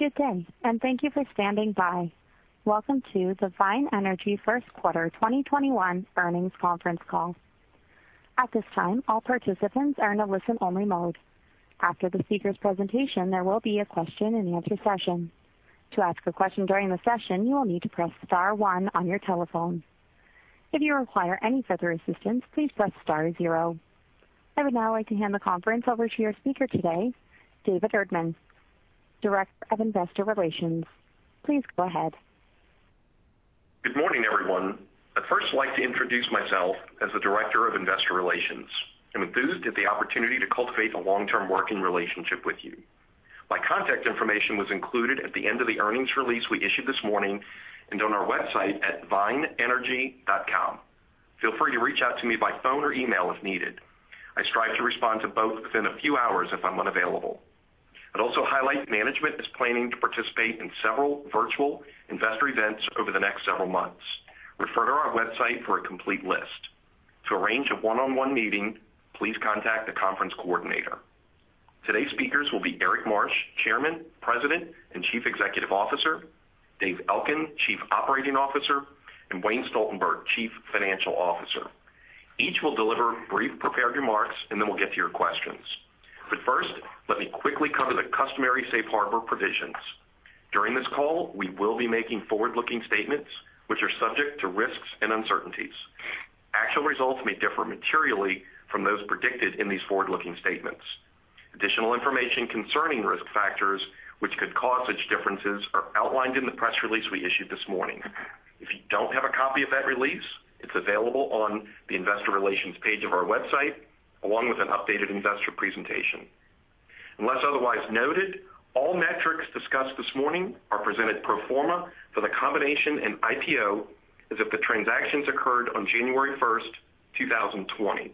Welcome to the Vine Energy First Quarter 2021 Earnings Conference Call. I would now like to hand the conference over to your speaker today, David Hutman, Director of Investor Relations. Please go ahead. Good morning, everyone. I'd first like to introduce myself as the Director of Investor Relations. I'm enthused at the opportunity to cultivate a long-term working relationship with you. My contact information was included at the end of the earnings release we issued this morning and on our website at vineenergy.com. Feel free to reach out to me by phone or email if needed. I strive to respond to both within a few hours if I'm available. I'd also highlight management is planning to participate in several virtual investor events over the next several months. Refer to our website for a complete list. To arrange a one-on-one meeting, please contact the conference coordinator. Today's speakers will be Eric Marsh, Chairman, President, and Chief Executive Officer, David Elkin, Chief Operating Officer, and Wayne Stoltenberg, Chief Financial Officer. Each will deliver brief prepared remarks, and then we'll get to your questions. First, let me quickly cover the customary safe harbor provisions. During this call, we will be making forward-looking statements, which are subject to risks and uncertainties. Actual results may differ materially from those predicted in these forward-looking statements. Additional information concerning risk factors which could cause such differences are outlined in the press release we issued this morning. If you don't have a copy of that release, it's available on the investor relations page of our website, along with an updated investor presentation. Unless otherwise noted, all metrics discussed this morning are presented pro forma for the combination and IPO as if the transactions occurred on January 1st, 2020.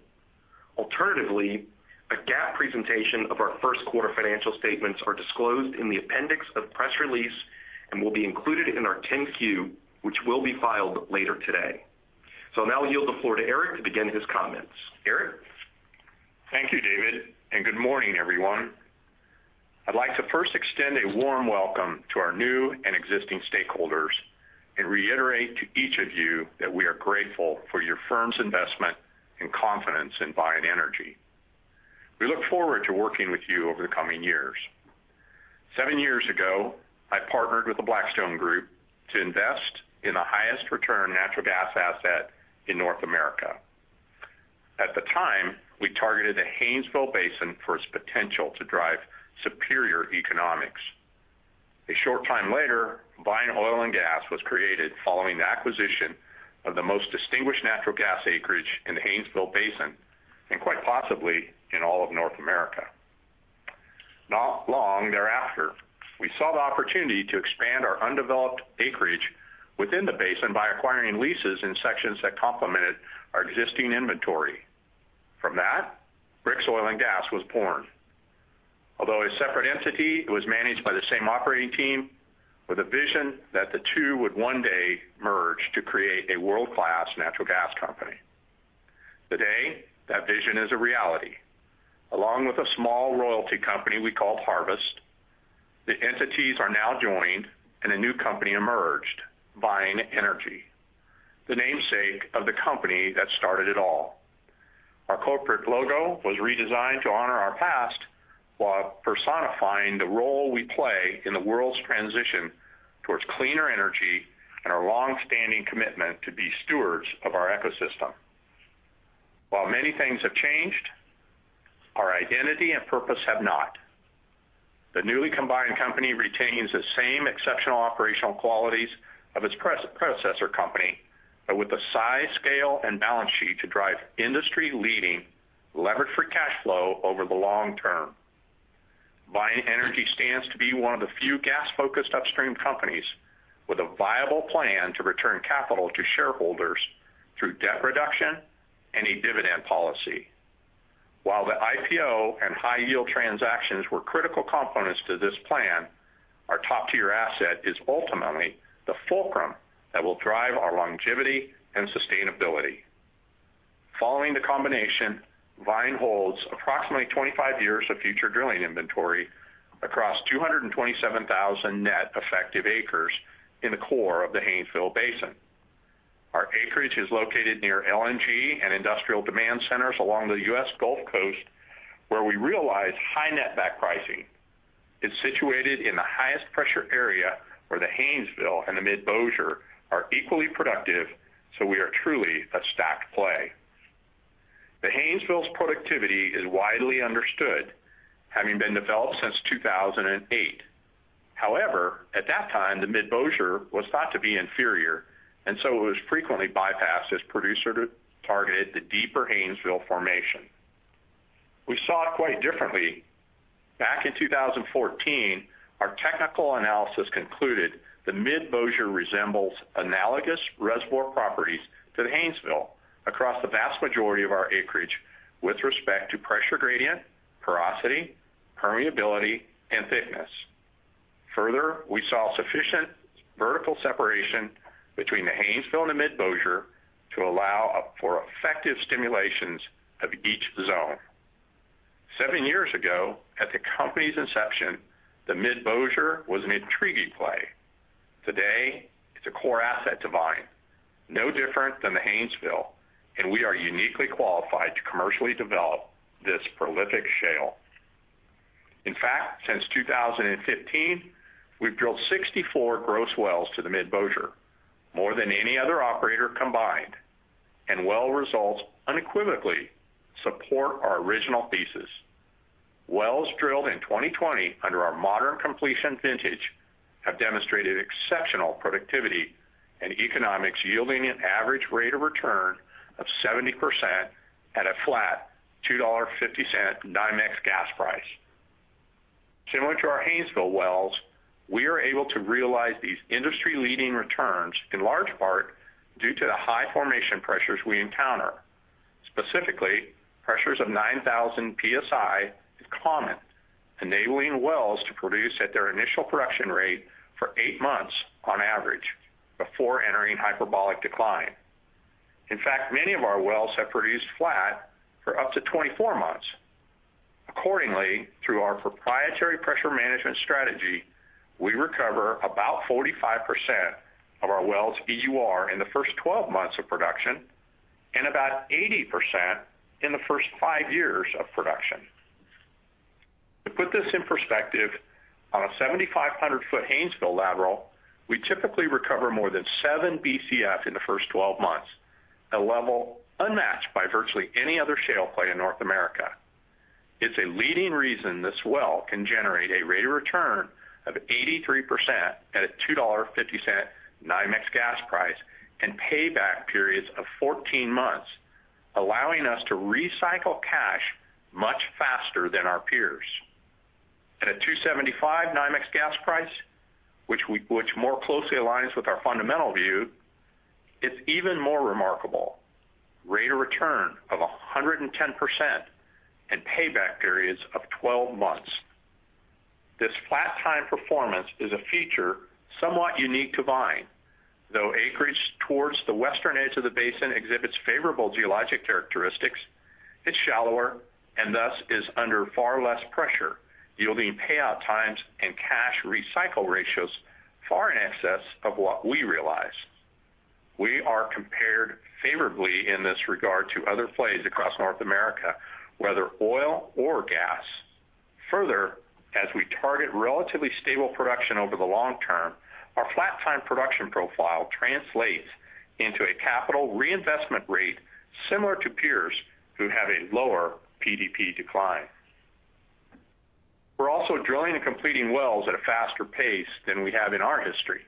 Alternatively, a GAAP presentation of our first quarter financial statements are disclosed in the appendix of the press release and will be included in our 10-Q, which will be filed later today. I'll now yield the floor to Eric to begin his comments. Eric? Thank you, David, and good morning, everyone. I'd like to first extend a warm welcome to our new and existing stakeholders and reiterate to each of you that we are grateful for your firm's investment and confidence in Vine Energy. We look forward to working with you over the coming years. Seven years ago, I partnered with The Blackstone Group to invest in the highest return natural gas asset in North America. At the time, we targeted the Haynesville Basin for its potential to drive superior economics. A short time later, Vine Oil and Gas was created following the acquisition of the most distinguished natural gas acreage in the Haynesville Basin, and quite possibly in all of North America. Not long thereafter, we saw the opportunity to expand our undeveloped acreage within the basin by acquiring leases in sections that complemented our existing inventory. From that, Brix Oil and Gas was born. Although a separate entity, it was managed by the same operating team with a vision that the two would one day merge to create a world-class natural gas company. Today, that vision is a reality. Along with a small royalty company we call Harvest, the entities are now joined, and a new company emerged, Vine Energy, the namesake of the company that started it all. Our corporate logo was redesigned to honor our past while personifying the role we play in the world's transition towards cleaner energy and our longstanding commitment to be stewards of our ecosystem. While many things have changed, our identity and purpose have not. The newly combined company retains the same exceptional operational qualities of its predecessor company, but with the size, scale, and balance sheet to drive industry-leading levered free cash flow over the long term. Vine Energy stands to be one of the few gas-focused upstream companies with a viable plan to return capital to shareholders through debt reduction and a dividend policy. While the IPO and high-yield transactions were critical components to this plan, our top-tier asset is ultimately the fulcrum that will drive our longevity and sustainability. Following the combination, Vine holds approximately 25 years of future drilling inventory across 227,000 net effective acres in the core of the Haynesville Basin. Our acreage is located near LNG and industrial demand centers along the U.S. Gulf Coast, where we realize high netback pricing. It's situated in the highest pressure area where the Haynesville and the Mid-Bossier are equally productive, so we are truly a stacked play. The Haynesville's productivity is widely understood, having been developed since 2008. At that time, the Mid-Bossier was thought to be inferior, and so it was frequently bypassed as producers targeted the deeper Haynesville formation. We saw it quite differently. Back in 2014, our technical analysis concluded the Mid-Bossier resembles analogous reservoir properties to the Haynesville across the vast majority of our acreage with respect to pressure gradient, porosity, permeability, and thickness. We saw sufficient vertical separation between the Haynesville and Mid-Bossier to allow for effective stimulations of each zone. Seven years ago, at the company's inception, the Mid-Bossier was an intriguing play. Today, it's a core asset to Vine, no different than the Haynesville, and we are uniquely qualified to commercially develop this prolific shale. In fact, since 2015, we've drilled 64 gross wells to the Mid-Bossier, more than any other operator combined, and well results unequivocally support our original thesis. Wells drilled in 2020 under our modern completion vintage have demonstrated exceptional productivity and economics yielding an average rate of return of 70% at a flat $2.50 NYMEX gas price. Similar to our Haynesville wells, we are able to realize these industry-leading returns in large part due to the high formation pressures we encounter, specifically pressures of 9,000 psi is common, enabling wells to produce at their initial production rate for eight months on average before entering hyperbolic decline. In fact, many of our wells have produced flat for up to 24 months. Accordingly, through our proprietary pressure management strategy, we recover about 45% of our well's EUR in the first 12 months of production and about 80% in the first five years of production. To put this in perspective, on a 7,500-foot Haynesville lateral, we typically recover more than 7 Bcf in the first 12 months, a level unmatched by virtually any other shale play in North America. It's a leading reason this well can generate a rate of return of 83% at a $2.50 NYMEX gas price and payback periods of 14 months, allowing us to recycle cash much faster than our peers. At a $2.75 NYMEX gas price, which more closely aligns with our fundamental view, it's even more remarkable. Rate of return of 110% and payback periods of 12 months. This flat time performance is a feature somewhat unique to Vine, though acreage towards the western edge of the basin exhibits favorable geologic characteristics, it's shallower and thus is under far less pressure, yielding payout times and cash recycle ratios far in excess of what we realize. We are compared favorably in this regard to other plays across North America, whether oil or gas. Further, as we target relatively stable production over the long term, our flat time production profile translates into a capital reinvestment rate similar to peers who have a lower PDP decline. We're also drilling and completing wells at a faster pace than we have in our history,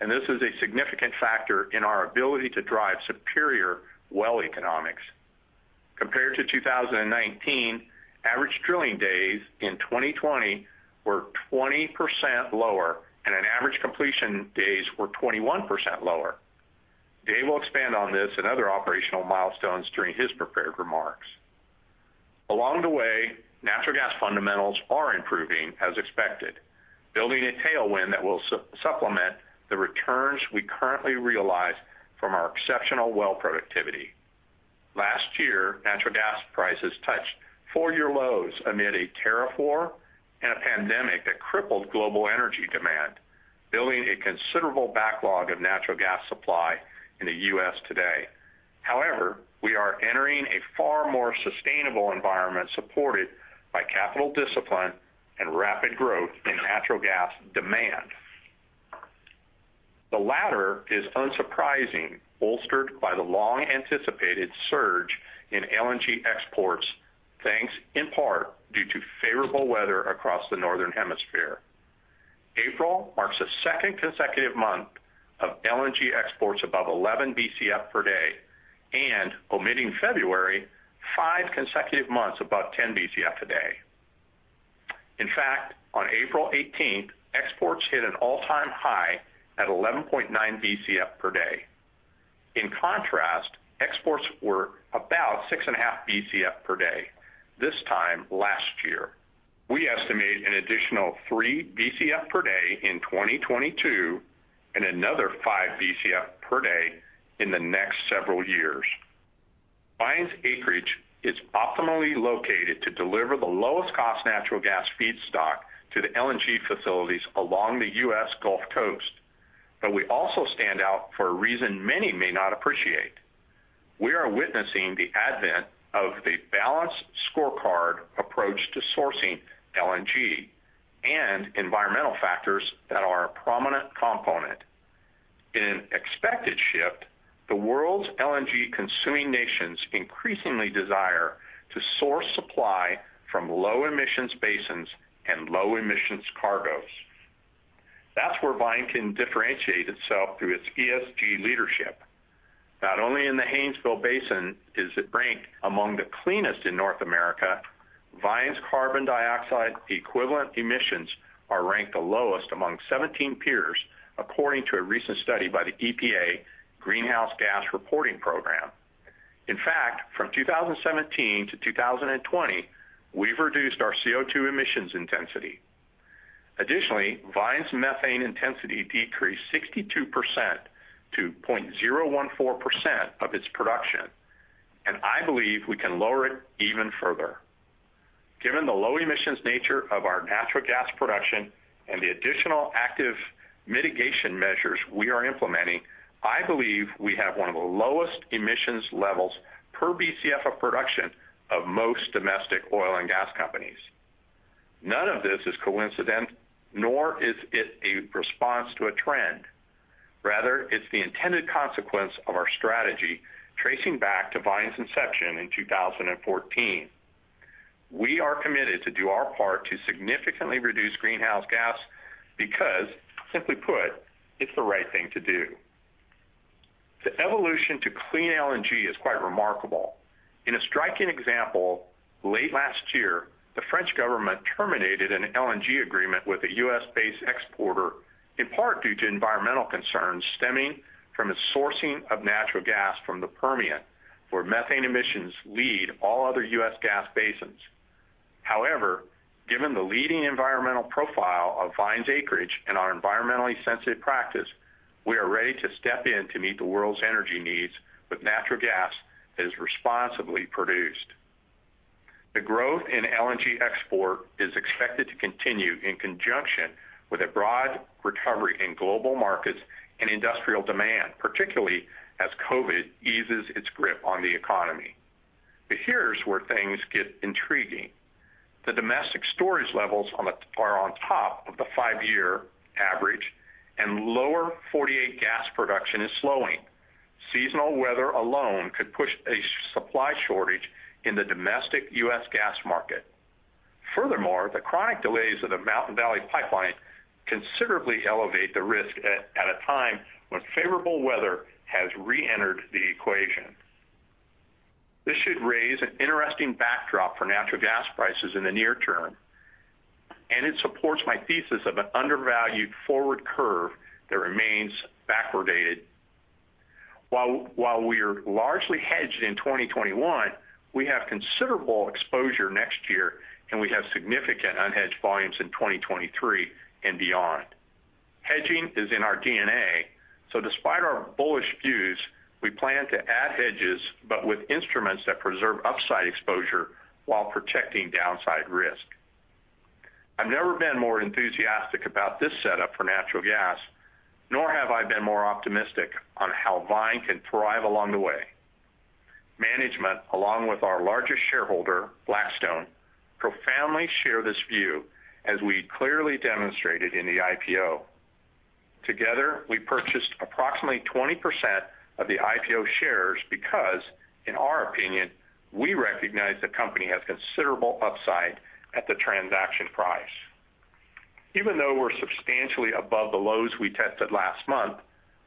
and this is a significant factor in our ability to drive superior well economics. Compared to 2019, average drilling days in 2020 were 20% lower, and average completion days were 21% lower. Dave will expand on this and other operational milestones during his prepared remarks. Along the way, natural gas fundamentals are improving as expected, building a tailwind that will supplement the returns we currently realize from our exceptional well productivity. Last year, natural gas prices touched four-year lows amid a tariff war and a pandemic that crippled global energy demand, building a considerable backlog of natural gas supply in the U.S. today. We are entering a far more sustainable environment supported by capital discipline and rapid growth in natural gas demand. The latter is unsurprising, bolstered by the long-anticipated surge in LNG exports, thanks in part due to favorable weather across the northern hemisphere. April marks the second consecutive month of LNG exports above 11 Bcf per day and, omitting February, five consecutive months above 10 Bcf a day. In fact, on April 18th, exports hit an all-time high at 11.9 Bcf per day. In contrast, exports were about 6.5 Bcf per day this time last year. We estimate an additional 3 Bcf per day in 2022 and another 5 Bcf per day in the next several years. Vine's acreage is optimally located to deliver the lowest cost natural gas feedstock to the LNG facilities along the U.S. Gulf Coast, but we also stand out for a reason many may not appreciate. We are witnessing the advent of a balanced scorecard approach to sourcing LNG and environmental factors that are a prominent component. In an expected shift, the world's LNG consuming nations increasingly desire to source supply from low emissions basins and low emissions cargoes. That's where Vine can differentiate itself through its ESG leadership. Not only in the Haynesville Basin is it ranked among the cleanest in North America, Vine's carbon dioxide equivalent emissions are ranked the lowest among 17 peers, according to a recent study by the EPA Greenhouse Gas Reporting Program. In fact, from 2017 to 2020, we've reduced our CO2 emissions intensity. Additionally, Vine's methane intensity decreased 62% to 0.014% of its production. I believe we can lower it even further. Given the low emissions nature of our natural gas production and the additional active mitigation measures we are implementing, I believe we have one of the lowest emissions levels per Bcf of production of most domestic oil and gas companies. None of this is coincidental, nor is it a response to a trend. Rather, it's the intended consequence of our strategy tracing back to Vine's inception in 2014. We are committed to do our part to significantly reduce greenhouse gas because, simply put, it's the right thing to do. The evolution to clean LNG is quite remarkable. In a striking example, late last year, the French government terminated an LNG agreement with a U.S.-based exporter, in part due to environmental concerns stemming from its sourcing of natural gas from the Permian, where methane emissions lead all other U.S. gas basins. Given the leading environmental profile of Vine's acreage and our environmentally sensitive practice, we are ready to step in to meet the world's energy needs with natural gas that is responsibly produced. The growth in LNG export is expected to continue in conjunction with a broad recovery in global markets and industrial demand, particularly as COVID eases its grip on the economy. Here's where things get intriguing. The domestic storage levels are on top of the five-year average, and lower 48 gas production is slowing. Seasonal weather alone could push a supply shortage in the domestic U.S. gas market. Furthermore, the chronic delays of the Mountain Valley Pipeline considerably elevate the risk at a time when favorable weather has re-entered the equation. This should raise an interesting backdrop for natural gas prices in the near term, and it supports my thesis of an undervalued forward curve that remains backwardated. While we are largely hedged in 2021, we have considerable exposure next year, and we have significant unhedged volumes in 2023 and beyond. Hedging is in our DNA, so despite our bullish views, we plan to add hedges, but with instruments that preserve upside exposure while protecting downside risk. I've never been more enthusiastic about this setup for natural gas, nor have I been more optimistic on how Vine can thrive along the way. Management, along with our largest shareholder, Blackstone, profoundly share this view, as we clearly demonstrated in the IPO. Together, we purchased approximately 20% of the IPO shares because, in our opinion, we recognize the company has considerable upside at the transaction price. Even though we're substantially above the lows we tested last month,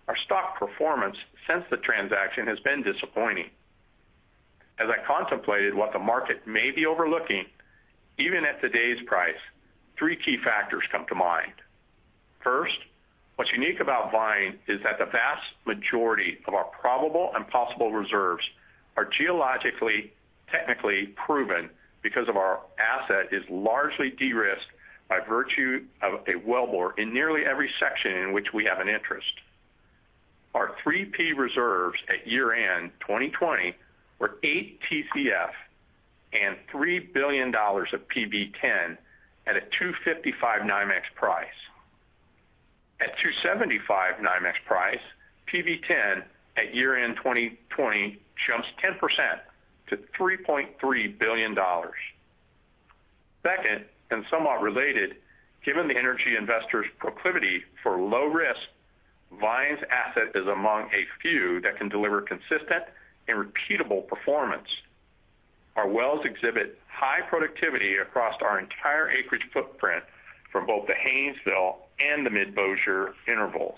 our stock performance since the transaction has been disappointing. As I contemplated what the market may be overlooking, even at today's price, three key factors come to mind. First, what's unique about Vine is that the vast majority of our probable and possible reserves are geologically, technically proven because of our asset is largely de-risked by virtue of a wellbore in nearly every section in which we have an interest. Our 3P reserves at year-end 2020 were 8 Tcf and $3 billion of PV10 at a 2.55 Mcf price. At 2.75 Mcf price, PV10 at year-end 2020 jumps 10% to $3.3 billion. Second, somewhat related, given the energy investors' proclivity for low risk, Vine's asset is among a few that can deliver consistent and repeatable performance. Our wells exhibit high productivity across our entire acreage footprint for both the Haynesville and the Mid-Bossier intervals.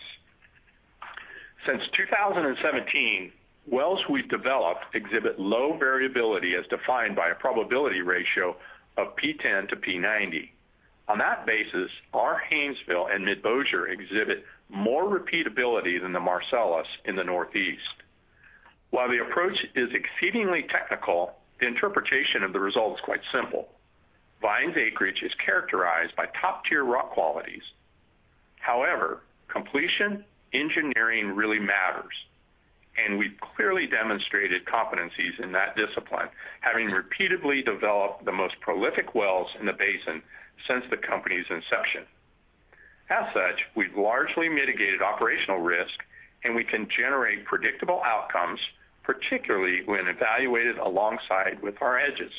Since 2017, wells we've developed exhibit low variability as defined by a probability ratio of P10 to P90. On that basis, our Haynesville and Mid-Bossier exhibit more repeatability than the Marcellus in the Northeast. While the approach is exceedingly technical, the interpretation of the result is quite simple. Vine's acreage is characterized by top-tier rock qualities. Completion engineering really matters, and we've clearly demonstrated competencies in that discipline, having repeatedly developed the most prolific wells in the basin since the company's inception. As such, we've largely mitigated operational risk, and we can generate predictable outcomes, particularly when evaluated alongside with our hedges.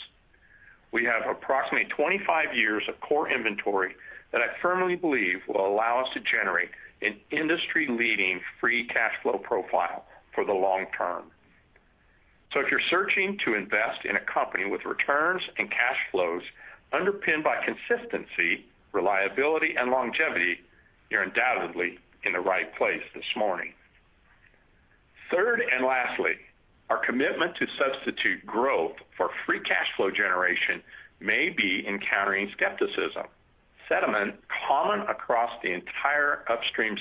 We have approximately 25 years of core inventory that I firmly believe will allow us to generate an industry-leading free cash flow profile for the long term. If you're searching to invest in a company with returns and cash flows underpinned by consistency, reliability, and longevity, you're undoubtedly in the right place this morning. Third and lastly, our commitment to substitute growth for free cash flow generation may be encountering skepticism, sentiment common across the entire upstream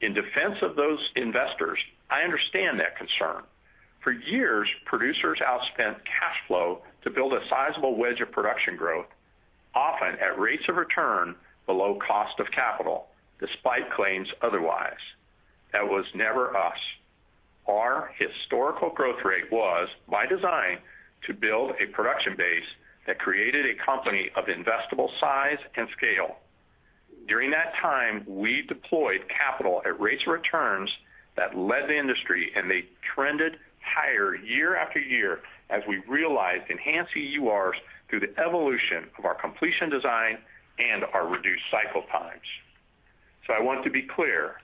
sector. In defense of those investors, I understand that concern. For years, producers outspent cash flow to build a sizable wedge of production growth, often at rates of return below cost of capital, despite claims otherwise. That was never us. Our historical growth rate was, by design, to build a production base that created a company of investable size and scale. During that time, we deployed capital at rates of returns that led the industry, and they trended higher year after year as we realized enhanced EURs through the evolution of our completion design and our reduced cycle times. I want to be clear.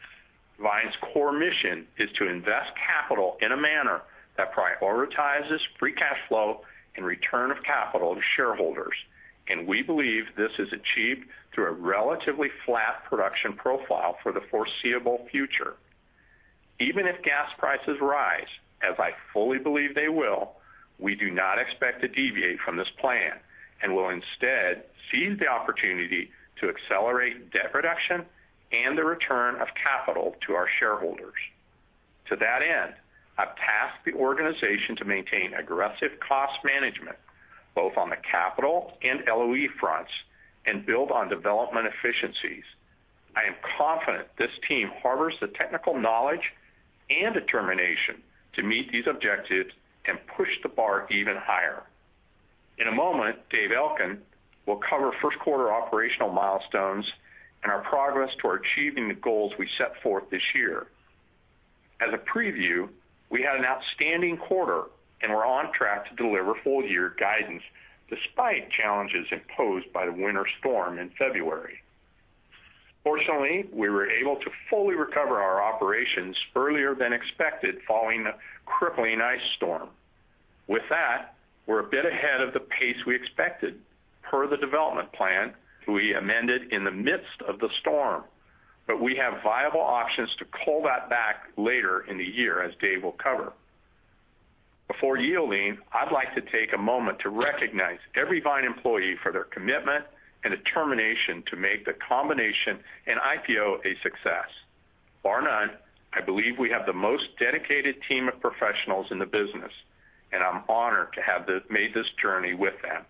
Vine's core mission is to invest capital in a manner that prioritizes free cash flow and return of capital to shareholders, and we believe this is achieved through a relatively flat production profile for the foreseeable future. Even if gas prices rise, as I fully believe they will, we do not expect to deviate from this plan and will instead seize the opportunity to accelerate debt reduction and the return of capital to our shareholders. To that end, I've tasked the organization to maintain aggressive cost management, both on the capital and LOE fronts, and build on development efficiencies. I am confident this team harbors the technical knowledge and determination to meet these objectives and push the bar even higher. In a moment, David Elkin will cover first quarter operational milestones and our progress toward achieving the goals we set forth this year. As a preview, we had an outstanding quarter and we're on track to deliver full-year guidance despite challenges imposed by Winter Storm Uri. Fortunately, we were able to fully recover our operations earlier than expected following the crippling ice storm. With that, we're a bit ahead of the pace we expected per the development plan we amended in the midst of the storm, but we have viable options to pull that back later in the year, as David Elkin will cover. Before yielding, I'd like to take a moment to recognize every Vine employee for their commitment and determination to make the combination and IPO a success. Bar none, I believe we have the most dedicated team of professionals in the business, and I'm honored to have made this journey with them.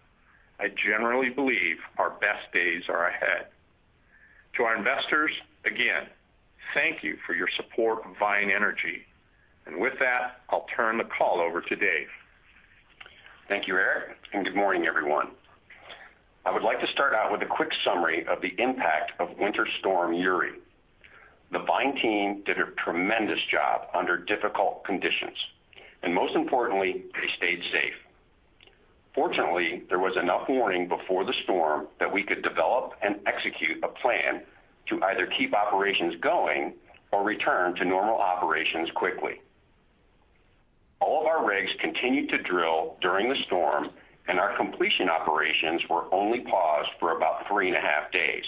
I genuinely believe our best days are ahead. To our investors, again, thank you for your support of Vine Energy. With that, I'll turn the call over to David Elkin. Thank you, Eric, and good morning, everyone. I would like to start out with a quick summary of the impact of Winter Storm Uri. The Vine team did a tremendous job under difficult conditions, and most importantly, they stayed safe. Fortunately, there was enough warning before the storm that we could develop and execute a plan to either keep operations going or return to normal operations quickly. All of our rigs continued to drill during the storm, and our completion operations were only paused for about three and a half days.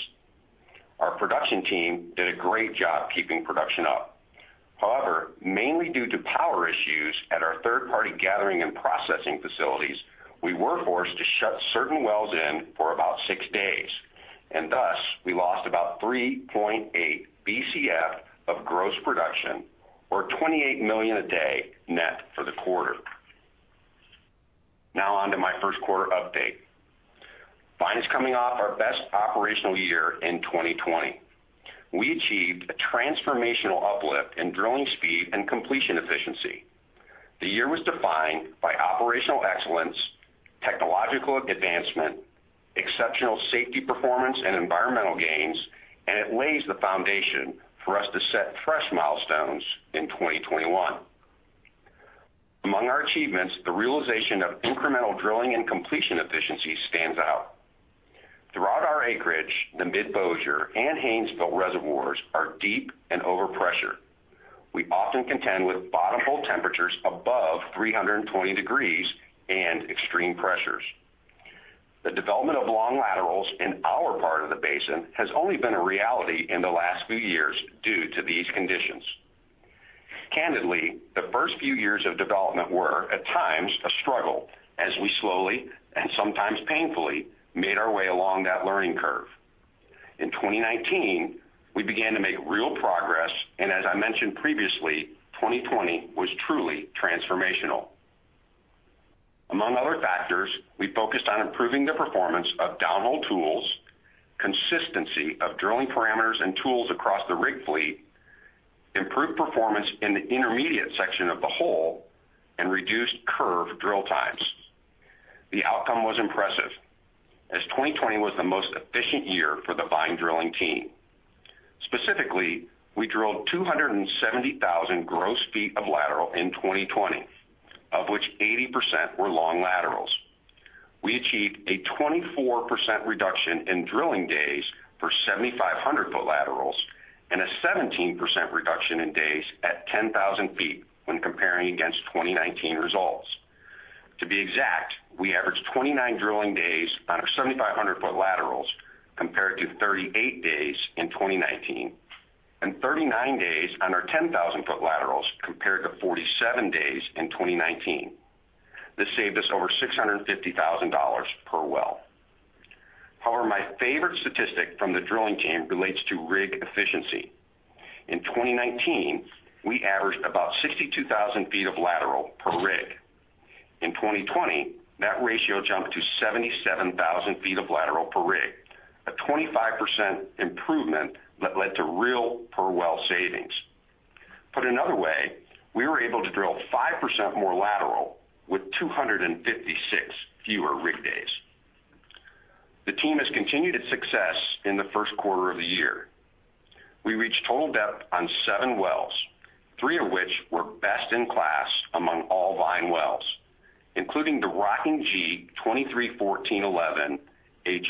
Our production team did a great job keeping production up. However, mainly due to power issues at our third-party gathering and processing facilities, we were forced to shut certain wells in for about six days, and thus, we lost about 3.8 Bcf of gross production or 28 million a day net for the quarter. Now on to my first quarter update. Vine's coming off our best operational year in 2020. We achieved a transformational uplift in drilling speed and completion efficiency. The year was defined by operational excellence, technological advancement, exceptional safety performance, and environmental gains, and it lays the foundation for us to set fresh milestones in 2021. Among our achievements, the realization of incremental drilling and completion efficiency stands out. Throughout our acreage, the Mid-Bossier and Haynesville reservoirs are deep and overpressured. We often contend with bottomhole temperatures above 320 degrees and extreme pressures. The development of long laterals in our part of the basin has only been a reality in the last few years due to these conditions. Candidly, the first few years of development were, at times, a struggle as we slowly, and sometimes painfully, made our way along that learning curve. In 2019, we began to make real progress, and as I mentioned previously, 2020 was truly transformational. Among other factors, we focused on improving the performance of downhole tools, consistency of drilling parameters and tools across the rig fleet, improved performance in the intermediate section of the hole, and reduced curve drill times. The outcome was impressive, as 2020 was the most efficient year for the Vine drilling team. Specifically, we drilled 270,000 gross ft of lateral in 2020, of which 80% were long laterals. We achieved a 24% reduction in drilling days for 7,500-foot laterals and a 17% reduction in days at 10,000 ft when comparing against 2019 results. To be exact, we averaged 29 drilling days on our 7,500-foot laterals compared to 38 days in 2019, and 39 days on our 10,000-foot laterals compared to 47 days in 2019. This saved us over $650,000 per well. However, my favorite statistic from the drilling team relates to rig efficiency. In 2019, we averaged about 62,000 ft of lateral per rig. In 2020, that ratio jumped to 77,000 ft of lateral per rig, a 25% improvement that led to real per well savings. Put another way, we were able to drill 5% more lateral with 256 fewer rig days. The team has continued its success in the first quarter of the year. We reached total depth on seven wells, three of which were best in class among all Vine wells, including the Rocking G 23-14-11 H.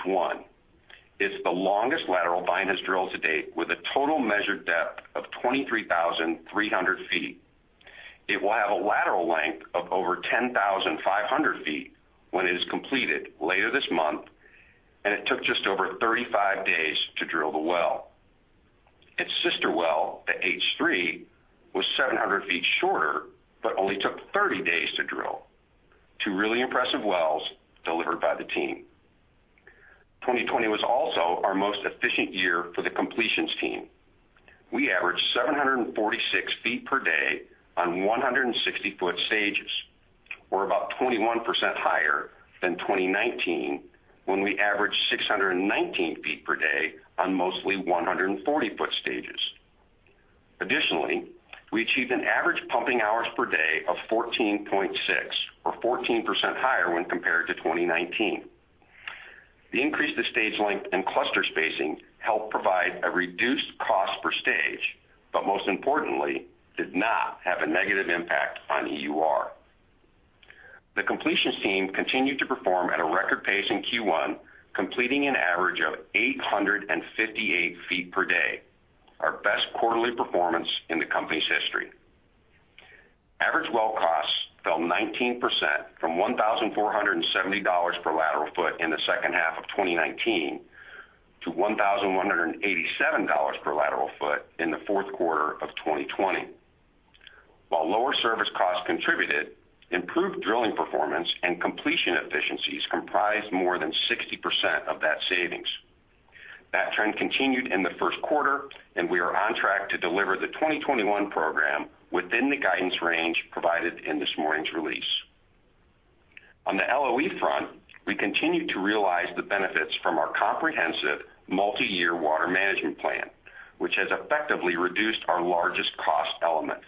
It's the longest lateral Vine has drilled to date, with a total measured depth of 23,300 ft. It will have a lateral length of over 10,500 ft when it is completed later this month, and it took just over 35 days to drill the well. Its sister well at H-3 was 700 ft shorter, but only took 30 days to drill. Two really impressive wells delivered by the team. 2020 was also our most efficient year for the completions team. We averaged 746 ft per day on 160 foot stages. We're about 21% higher than 2019, when we averaged 619 ft per day on mostly 140 foot stages. Additionally, we achieved an average pumping hours per day of 14.6 or 14% higher when compared to 2019. The increase to stage length and cluster spacing helped provide a reduced cost per stage, but most importantly, did not have a negative impact on EUR. The completions team continued to perform at a record pace in Q1, completing an average of 858 ft per day. Our best quarterly performance in the company's history. Average well costs fell 19% from $1,470 per lateral foot in the second half of 2019 to $1,187 per lateral foot in the fourth quarter of 2020. While lower service costs contributed, improved drilling performance and completion efficiencies comprised more than 60% of that savings. That trend continued in the first quarter, and we are on track to deliver the 2021 program within the guidance range provided in this morning's release. On the LOE front, we continue to realize the benefits from our comprehensive multi-year water management plan, which has effectively reduced our largest cost element.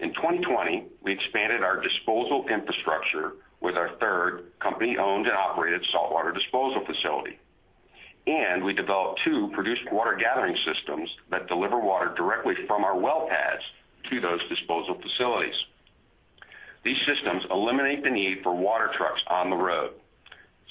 In 2020, we expanded our disposal infrastructure with our third company owned and operated saltwater disposal facility, and we developed two produced water gathering systems that deliver water directly from our well pads to those disposal facilities. These systems eliminate the need for water trucks on the road,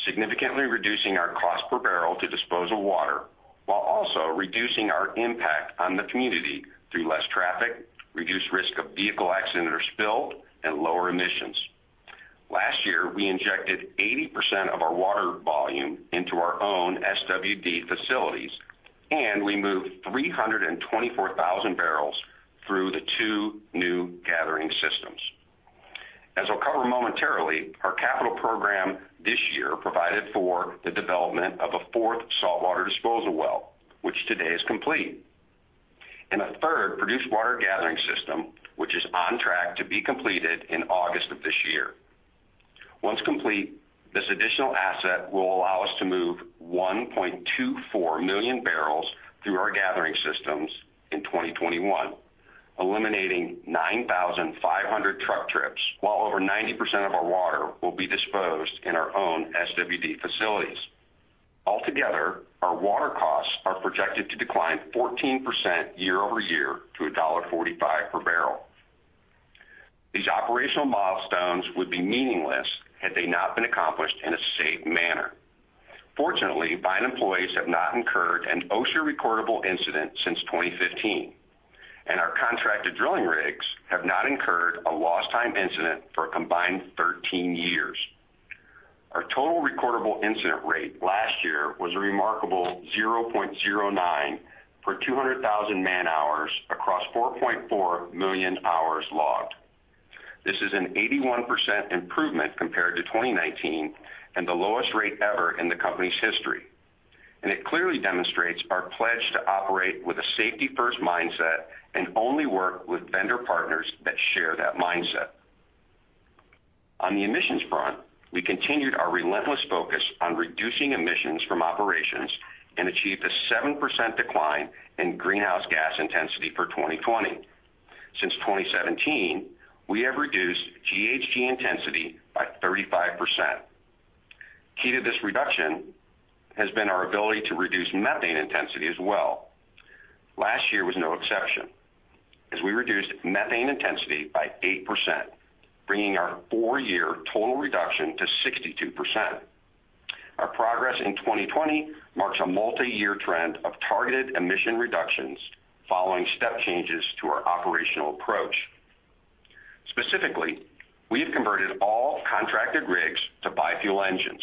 significantly reducing our cost per barrel to dispose of water while also reducing our impact on the community through less traffic, reduced risk of vehicle accident or spill, and lower emissions. Last year, we injected 80% of our water volume into our own SWD facilities, and we moved 324,000 barrels through the two new gathering systems. As I'll cover momentarily, our capital program this year provided for the development of a fourth saltwater disposal well, which today is complete, and a third produced water gathering system, which is on track to be completed in August of this year. Once complete, this additional asset will allow us to move 1.24 million barrels through our gathering systems in 2021, eliminating 9,500 truck trips, while over 90% of our water will be disposed in our own SWD facilities. Altogether, our water costs are projected to decline 14% year-over-year to $1.45 per barrel. These operational milestones would be meaningless had they not been accomplished in a safe manner. Fortunately, Vine employees have not incurred an OSHA recordable incident since 2015, and our contracted drilling rigs have not incurred a lost time incident for a combined 13 years. Our total recordable incident rate last year was a remarkable 0.09 for 200,000 man-hours across 4.4 million hours logged. This is an 81% improvement compared to 2019 and the lowest rate ever in the company's history. It clearly demonstrates our pledge to operate with a safety first mindset and only work with vendor partners that share that mindset. On the emissions front, we continued our relentless focus on reducing emissions from operations and achieved a 7% decline in greenhouse gas intensity for 2020. Since 2017, we have reduced GHG intensity by 35%. Key to this reduction has been our ability to reduce methane intensity as well. Last year was no exception, as we reduced methane intensity by 8%, bringing our four-year total reduction to 62%. Our progress in 2020 marks a multi-year trend of targeted emission reductions following step changes to our operational approach. Specifically, we've converted all contracted rigs to bi-fuel engines.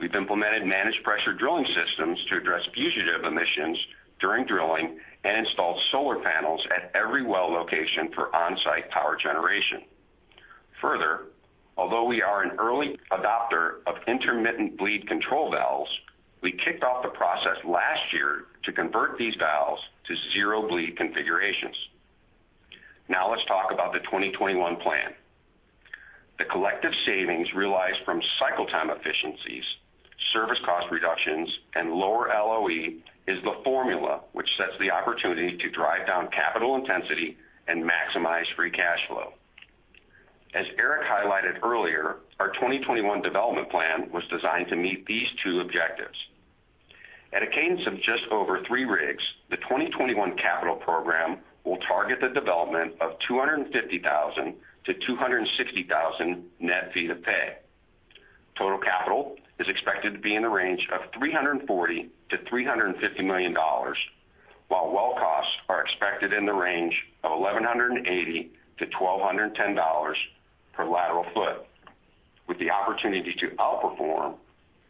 We've implemented managed pressure drilling systems to address fugitive emissions during drilling and installed solar panels at every well location for onsite power generation. Further, although we are an early adopter of intermittent bleed control valves, we kicked off the process last year to convert these valves to zero bleed configurations. Now let's talk about the 2021 plan. The collective savings realized from cycle time efficiencies, service cost reductions, and lower LOE is the formula which sets the opportunity to drive down capital intensity and maximize free cash flow. As Eric highlighted earlier, our 2021 development plan was designed to meet these two objectives. At a cadence of just over three rigs, the 2021 capital program will target the development of 250,000 to 260,000 net ft of pay. Total capital is expected to be in the range of $340 million to $350 million, while well costs are expected in the range of $1,180 to $1,210 per lateral foot, with the opportunity to outperform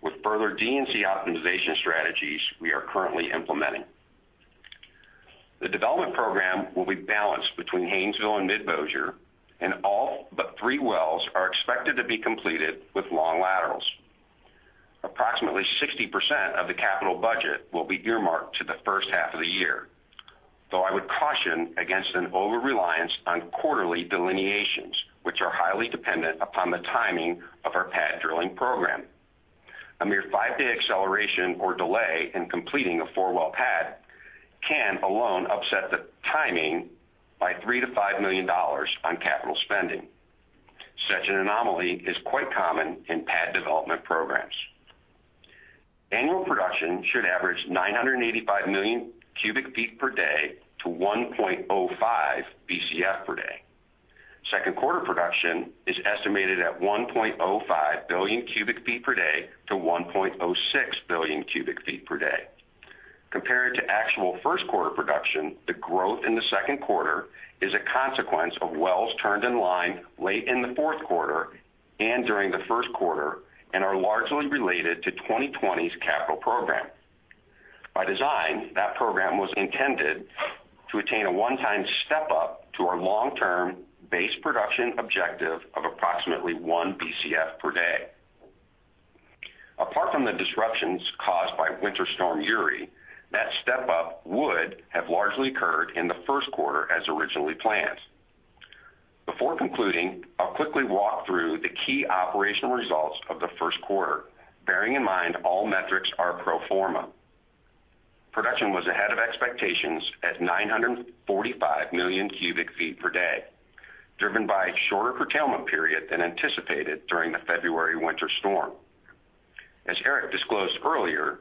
with further D&C optimization strategies we are currently implementing. The development program will be balanced between Haynesville and Mid-Bossier, and all but three wells are expected to be completed with long laterals. Approximately 60% of the capital budget will be earmarked to the first half of the year, though I would caution against an overreliance on quarterly delineations, which are highly dependent upon the timing of our pad drilling program. A mere five-day acceleration or delay in completing a four-well pad can alone upset the timing by $3 million to $5 million on capital spending. Such an anomaly is quite common in pad development programs. Annual production should average 985 million cubic ft per day to 1.05 Bcf per day. Second quarter production is estimated at 1.05 billion cubic ft per day-1.06 billion cubic ft per day. Compared to actual first quarter production, the growth in the second quarter is a consequence of wells turned in line late in the fourth quarter and during the first quarter and are largely related to 2020's capital program. By design, that program was intended to attain a one-time step-up to our long-term base production objective of approximately one Bcf per day. Apart from the disruptions caused by Winter Storm Uri, that step-up would have largely occurred in the first quarter as originally planned. Before concluding, I'll quickly walk through the key operational results of the first quarter, bearing in mind all metrics are pro forma. Production was ahead of expectations at 945 million cubic ft per day, driven by a shorter curtailment period than anticipated during the February winter storm. As Eric disclosed earlier,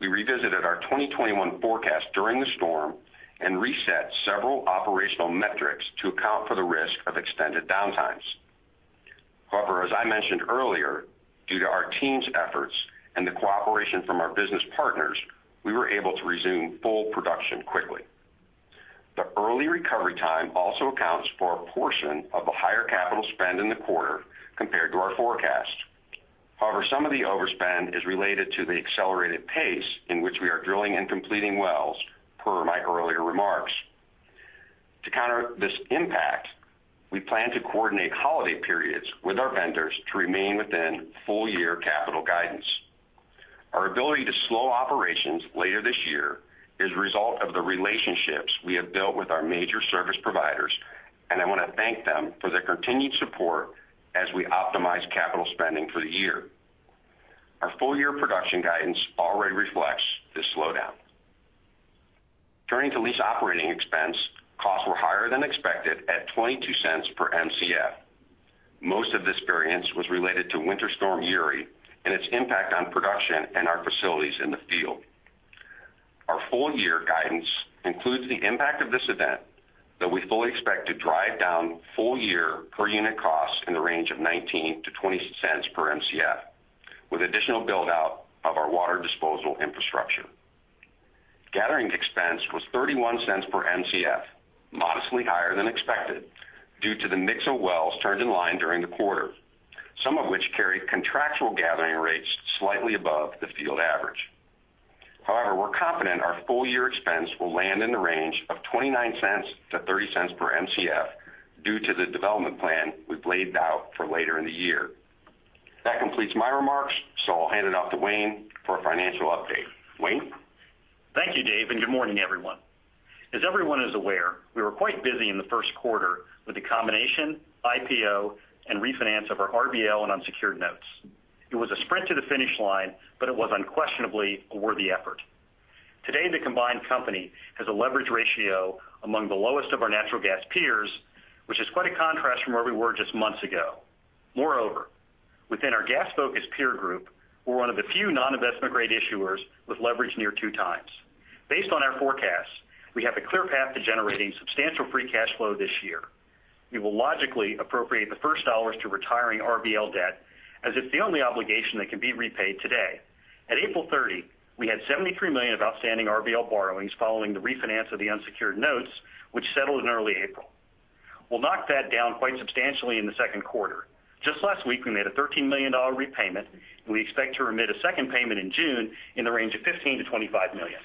we revisited our 2021 forecast during the storm and reset several operational metrics to account for the risk of extended downtimes. However, as I mentioned earlier, due to our team's efforts and the cooperation from our business partners, we were able to resume full production quickly. The early recovery time also accounts for a portion of the higher capital spend in the quarter compared to our forecast. However, some of the overspend is related to the accelerated pace in which we are drilling and completing wells, per my earlier remarks. To counter this impact, we plan to coordinate holiday periods with our vendors to remain within full-year capital guidance. Our ability to slow operations later this year is a result of the relationships we have built with our major service providers, and I want to thank them for their continued support as we optimize capital spending for the year. Our full-year production guidance already reflects this slowdown. Turning to lease operating expense, costs were higher than expected at $0.22 per Mcf. Most of this variance was related to Winter Storm Uri and its impact on production and our facilities in the field. Our full-year guidance includes the impact of this event that we fully expect to drive down full-year per unit cost in the range of $0.19-$0.26 per Mcf with additional build-out of our water disposal infrastructure. Gathering expense was $0.31 per Mcf, modestly higher than expected due to the mix of wells turned in line during the quarter, some of which carried contractual gathering rates slightly above the field average. However, we're confident our full-year expense will land in the range of $0.29-$0.30 per Mcf due to the development plan we've laid out for later in the year. That completes my remarks. I'll hand it off to Wayne for a financial update. Wayne? Thank you, Dave, and good morning, everyone. As everyone is aware, we were quite busy in the first quarter with the combination, IPO, and refinance of our RBL and unsecured notes. It was a sprint to the finish line, but it was unquestionably a worthy effort. Today, the combined company has a leverage ratio among the lowest of our natural gas peers, which is quite a contrast from where we were just months ago. Moreover, within our gas-focused peer group, we're one of the few non-investment grade issuers with leverage near two times. Based on our forecast, we have a clear path to generating substantial free cash flow this year. We will logically appropriate the first dollars to retiring RBL debt, as it's the only obligation that can be repaid today. At April 30, we had $73 million of outstanding RBL borrowings following the refinance of the unsecured notes, which settled in early April. We'll knock that down quite substantially in the second quarter. Just last week, we made a $13 million repayment, and we expect to remit a second payment in June in the range of $15 million to $25 million.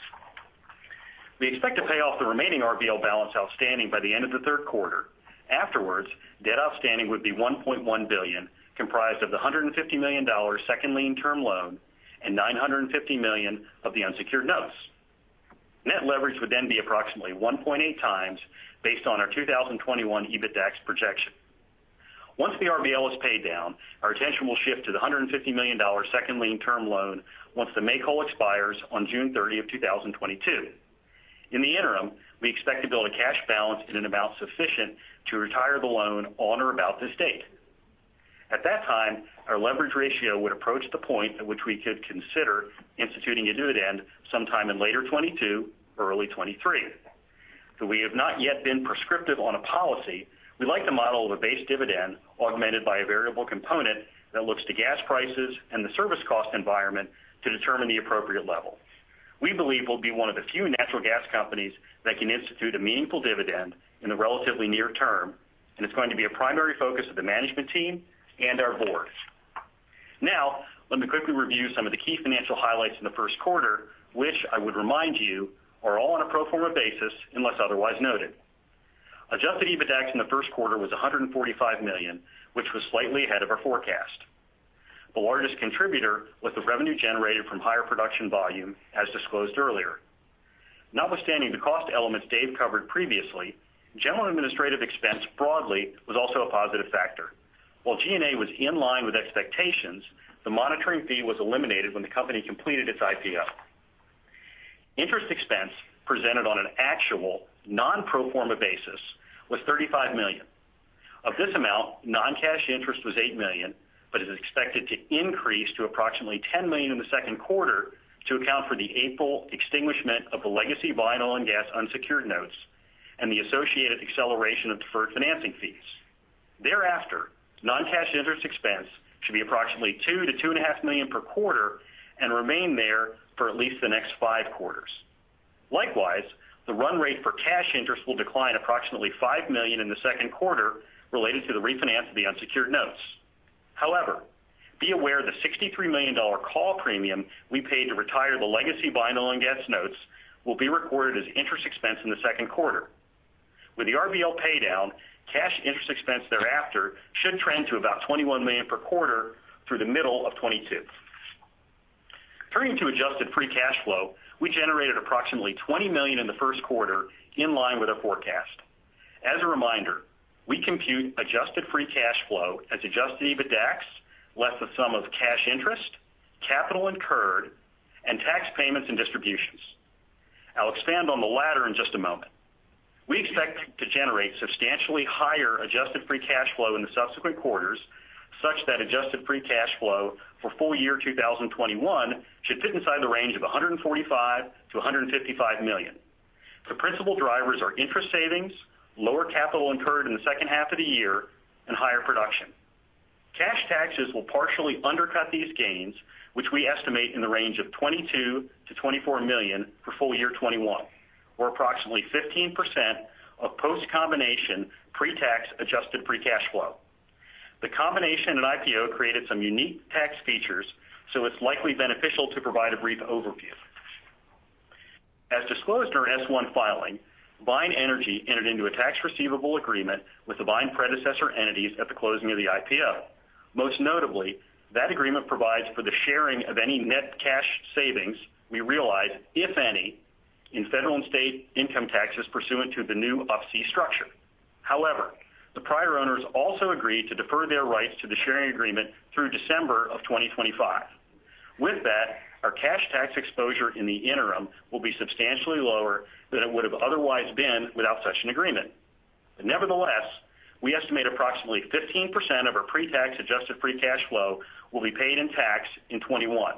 We expect to pay off the remaining RBL balance outstanding by the end of the third quarter. Afterwards, debt outstanding would be $1.1 billion, comprised of the $150 million second lien term loan and $950 million of the unsecured notes. Net leverage would then be approximately 1.8x based on our 2021 EBITDAX projection. Once the RBL is paid down, our attention will shift to the $150 million second lien term loan once the make-whole call expires on June 30, 2022. In the interim, we expect to build a cash balance in an amount sufficient to retire the loan on or about this date. At that time, our leverage ratio would approach the point at which we could consider instituting a dividend sometime in later 2022, early 2023. Though we have not yet been prescriptive on a policy, we like the model of a base dividend augmented by a variable component that looks to gas prices and the service cost environment to determine the appropriate level. We believe we'll be one of the few natural gas companies that can institute a meaningful dividend in the relatively near term, and it's going to be a primary focus of the management team and our board. Now, let me quickly review some of the key financial highlights in the first quarter, which I would remind you are all on a pro forma basis unless otherwise noted. Adjusted EBITDAX in the first quarter was $145 million, which was slightly ahead of our forecast. The largest contributor was the revenue generated from higher production volume, as disclosed earlier. Notwithstanding the cost elements David Elkin covered previously, general administrative expense broadly was also a positive factor. While G&A was in line with expectations, the monitoring fee was eliminated when the company completed its IPO. Interest expense presented on an actual, non-pro forma basis was $35 million. Of this amount, non-cash interest was $8 million, but is expected to increase to approximately $10 million in the second quarter to account for the April extinguishment of the legacy Vine Oil and Gas unsecured notes and the associated acceleration of deferred financing fees. Thereafter, non-cash interest expense should be approximately $2 million to two and a half million per quarter and remain there for at least the next five quarters. Likewise, the run rate for cash interest will decline approximately $5 million in the second quarter related to the refinance of the unsecured notes. Be aware the $63 million call premium we paid to retire the legacy Vine Oil and Gas notes will be recorded as interest expense in the second quarter. With the RBL paydown, cash interest expense thereafter should trend to about $21 million per quarter through the middle of 2022. Turning to adjusted free cash flow, we generated approximately $20 million in the first quarter in line with our forecast. As a reminder, we compute adjusted EBITDAX less the sum of cash interest, capital incurred, and tax payments and distributions. I'll expand on the latter in just a moment. We expect to generate substantially higher adjusted free cash flow in the subsequent quarters, such that adjusted free cash flow for full-year 2021 should fit inside the range of $145 million to $155 million. The principal drivers are interest savings, lower capital incurred in the second half of the year, and higher production. Cash taxes will partially undercut these gains, which we estimate in the range of $22 million to $24 million for full-year 2021, or approximately 15% of post-combination pre-tax adjusted free cash flow. The combination and IPO created some unique tax features, so it's likely beneficial to provide a brief overview. As disclosed in our S-1 filing, Vine Energy entered into a tax receivable agreement with the Vine predecessor entities at the closing of the IPO. Most notably, that agreement provides for the sharing of any net cash savings we realize, if any, in federal and state income taxes pursuant to the new Up-C structure. The prior owners also agreed to defer their rights to the sharing agreement through December of 2025. Our cash tax exposure in the interim will be substantially lower than it would have otherwise been without such an agreement. We estimate approximately 15% of our pre-tax adjusted free cash flow will be paid in tax in 2021.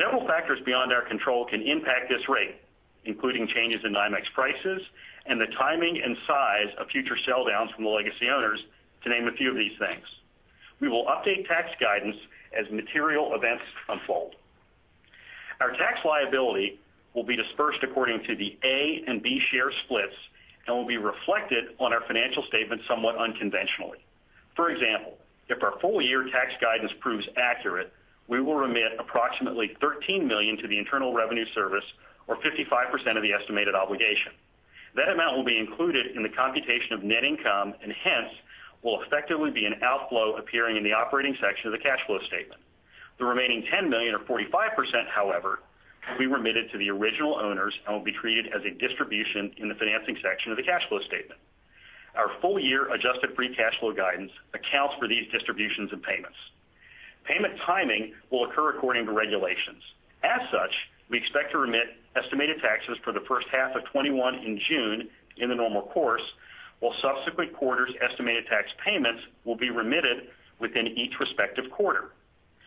Several factors beyond our control can impact this rate, including changes in NYMEX prices and the timing and size of future sell downs from the legacy owners, to name a few of these things. We will update tax guidance as material events unfold. Our tax liability will be dispersed according to the A and B share splits and will be reflected on our financial statements somewhat unconventionally. For example, if our full-year tax guidance proves accurate, we will remit approximately $13 million to the Internal Revenue Service, or 55% of the estimated obligation. That amount will be included in the computation of net income, and hence, will effectively be an outflow appearing in the operating section of the cash flow statement. The remaining $10 million or 45%, however, will be remitted to the original owners and will be treated as a distribution in the financing section of the cash flow statement. Our full-year adjusted free cash flow guidance accounts for these distributions and payments. Payment timing will occur according to regulations. As such, we expect to remit estimated taxes for the first half of 2021 in June in the normal course, while subsequent quarters' estimated tax payments will be remitted within each respective quarter.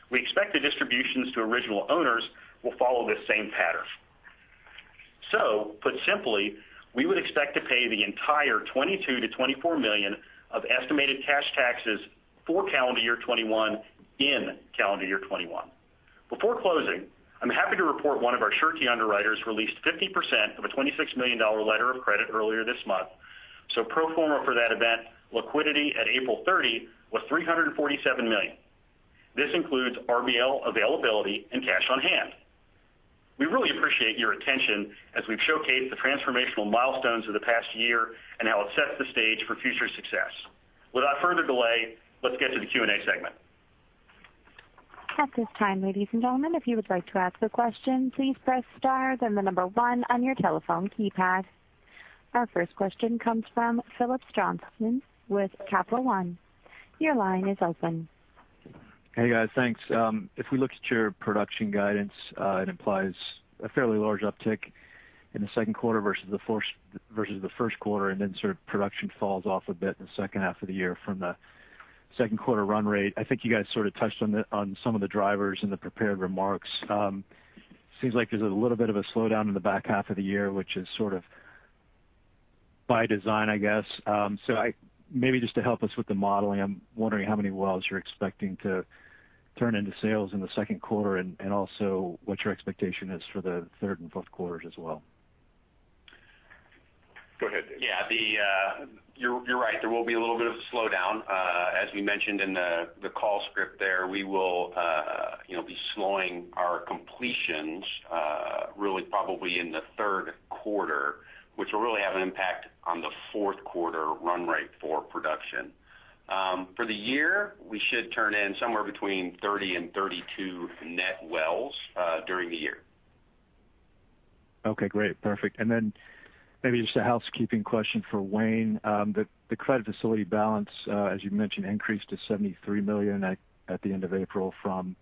We expect the distributions to original owners will follow this same pattern. Put simply, we would expect to pay the entire $22 million to $24 million of estimated cash taxes for calendar year 2021 in calendar year 2021. Before closing, I'm happy to report one of our surety underwriters released 50% of a $26 million letter of credit earlier this month. Pro forma for that event, liquidity at April 30 was $347 million. This includes RBL availability and cash on hand. We really appreciate your attention as we showcase the transformational milestones of the past year and how it sets the stage for future success. Without further delay, let's get to the Q&A segment. Our first question comes from Phillips Johnston with Capital One. Your line is open. Hey, guys. Thanks. We look at your production guidance, it implies a fairly large uptick in the second quarter versus the first quarter, and then production falls off a bit in the second half of the year from the second quarter run rate. I think you guys sort of touched on some of the drivers in the prepared remarks. Seems like there's a little bit of a slowdown in the back half of the year, which is sort of by design, I guess. Maybe just to help us with the modeling, I'm wondering how many wells you're expecting to turn into sales in the second quarter, and also what your expectation is for the third and fourth quarters as well. Yeah. You're right, there will be a little bit of a slowdown. As we mentioned in the call script there, we will be slowing our completions really probably in the third quarter, which will really have an impact on the fourth quarter run rate for production. For the year, we should turn in somewhere between 30 and 32 net wells during the year. Okay, great. Perfect. Maybe just a housekeeping question for Wayne. The credit facility balance, as you mentioned, increased to $73 million at the end of April from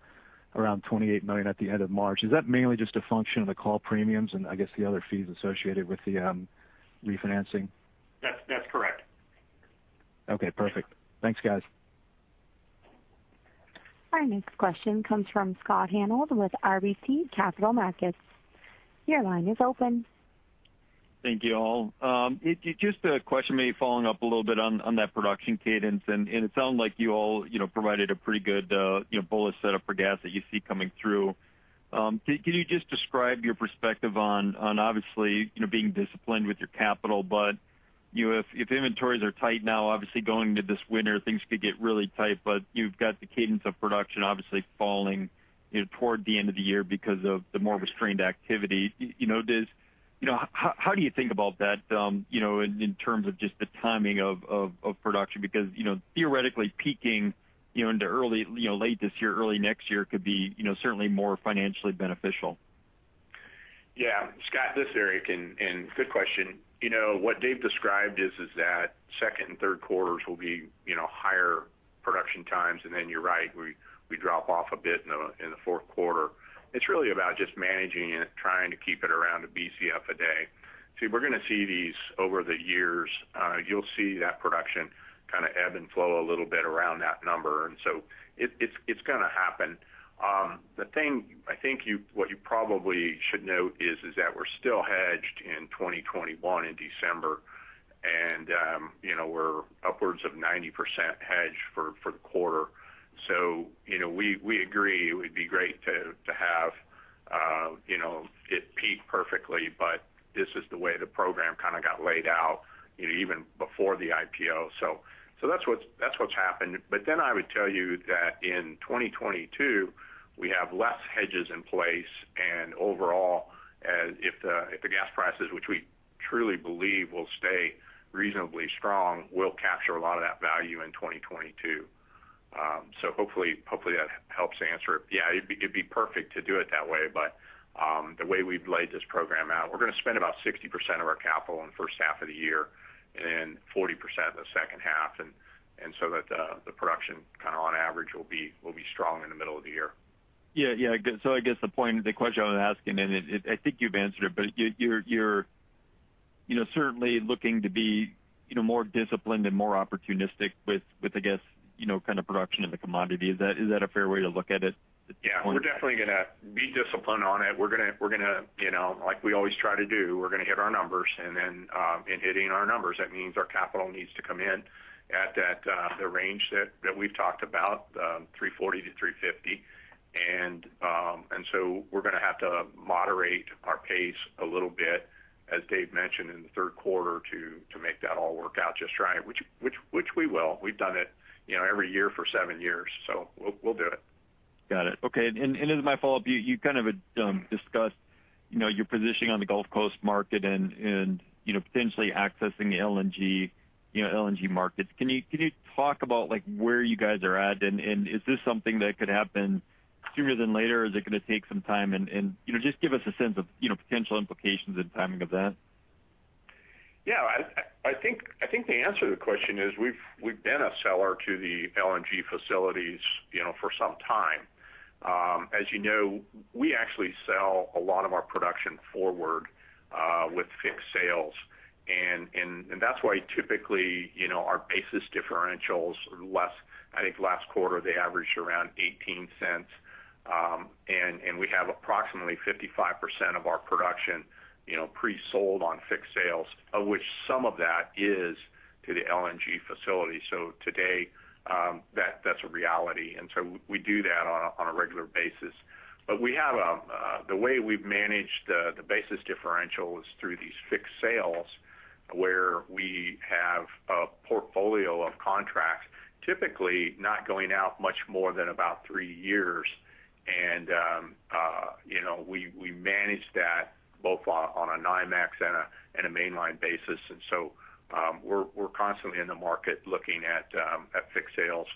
around 28 million at the end of March. Is that mainly just a function of the call premiums and I guess the other fees associated with the refinancing? That's correct. Okay, perfect. Thanks, guys. Our next question comes from Scott Hanold with RBC Capital Markets. Your line is open. Thank you all. Just a question maybe following up a little bit on that production cadence, and it sounds like you all provided a pretty good bullet setup for gas that you see coming through. Can you just describe your perspective on, obviously, being disciplined with your capital, but if inventories are tight now, obviously going into this winter, things could get really tight, but you've got the cadence of production obviously falling toward the end of the year because of the more restrained activity. How do you think about that in terms of just the timing of production? Theoretically peaking into late this year, early next year could be certainly more financially beneficial. Yeah, Scott, this is Eric. Good question. What Dave described is that second and third quarters will be higher production times. You're right, we drop off a bit in the fourth quarter. It's really about just managing it, trying to keep it around a Bcf a day. We're going to see these over the years. You'll see that production kind of ebb and flow a little bit around that number. It's going to happen. The thing I think what you probably should note is that we're still hedged in 2021 in December. We're upwards of 90% hedged for the quarter. We agree it would be great to have it peak perfectly. This is the way the program kind of got laid out even before the IPO. That's what's happened. I would tell you that in 2022, we have less hedges in place, and overall, if the gas prices, which we truly believe will stay reasonably strong, we'll capture a lot of that value in 2022. Hopefully that helps answer it. Yeah, it'd be perfect to do it that way, the way we've laid this program out, we're going to spend about 60% of our capital in the first half of the year and then 40% in the second half, and so that the production on average will be strong in the middle of the year. Yeah. I guess the question I was asking, and I think you've answered it, but you're certainly looking to be more disciplined and more opportunistic with the gas production of the commodity. Is that a fair way to look at it at this point? Yeah. We're definitely going to be disciplined on it. We're going to, like we always try to do, we're going to hit our numbers. In hitting our numbers, that means our capital needs to come in at the range that we've talked about, $340-$350. We're going to have to moderate our pace a little bit, as Dave mentioned, in the third quarter to make that all work out just right. Which we will. We've done it every year for seven years, so we'll do it. Got it. Okay. My follow-up, you kind of discussed your positioning on the Gulf Coast market and potentially accessing the LNG markets. Can you talk about where you guys are at, and is this something that could happen sooner than later, or is it going to take some time? And just give us a sense of potential implications and timing of that. Yeah. I think the answer to the question is, we've been a seller to the LNG facilities for some time. As you know, we actually sell a lot of our production forward with fixed sales, and that's why typically, our basis differentials are less. I think last quarter they averaged around $0.18. We have approximately 55% of our production pre-sold on fixed sales, of which some of that is to the LNG facility. Today, that's a reality. We do that on a regular basis. The way we've managed the basis differential is through these fixed sales, where we have a portfolio of contracts, typically not going out much more than about three years. We manage that both on a NYMEX and a mainline basis. We're constantly in the market looking at fixed sales.